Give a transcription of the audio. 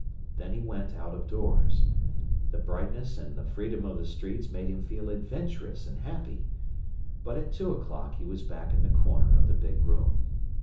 Then he went out of doors. The brightness and the freedom of the streets made him feel adventurous and happy. But at two o'clock he was back in the corner of the big room.